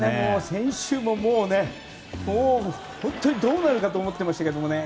先週も本当にどうなるかと思っていましたけどね